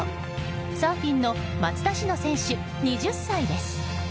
サーフィンの松田詩野選手２０歳です。